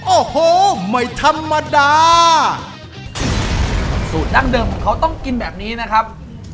โอ้โหไม่ธรรมดาสูตรดั้งเดิมของเขาต้องกินแบบนี้นะครับ